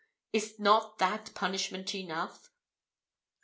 Is not that punishment enough?